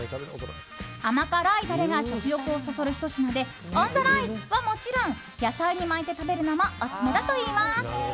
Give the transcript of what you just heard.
甘辛いタレが食欲をそそるひと品でオン・ザ・ライスはもちろん野菜に巻いて食べるのもオススメだといいます。